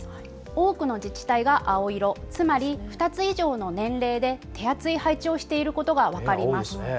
多くの自治体が青色、つまり２つ以上の年齢で手厚い配置をしていることが分かります。